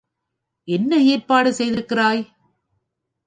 என்ன ஏற்பாடு செய்திருக்கிறாய்?